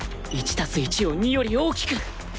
１＋１ を２より大きく！